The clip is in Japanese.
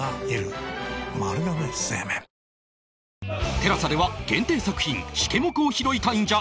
ＴＥＬＡＳＡ では限定作品シケモクを拾いたいんじゃ！！